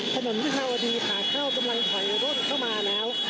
ถนนวิภาวดีขาเข้ากำลังถอยร่นเข้ามาแล้ว